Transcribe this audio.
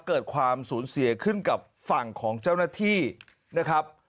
เกิดความสูญเสียขึ้นกับฝั่งของเจ้าหน้าที่นะครับ